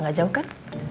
gak jauh kan